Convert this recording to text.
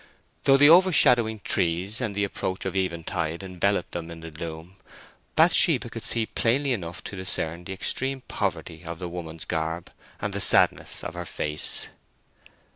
Though the overshadowing trees and the approach of eventide enveloped them in gloom, Bathsheba could see plainly enough to discern the extreme poverty of the woman's garb, and the sadness of her face.